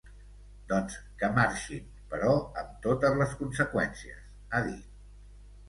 Doncs que marxin, però amb totes les conseqüències, ha dit.